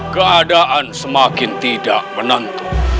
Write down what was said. keadaan semakin tidak menentu